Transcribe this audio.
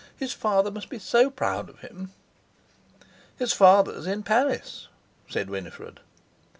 His father must be so proud of him." "His father's in Paris," said Winifred.